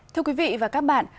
thưa quý vị và các bạn